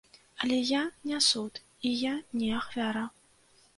Але я не суд і я не ахвяра.